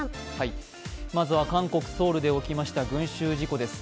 まずは韓国ソウルで起きました群集事故です。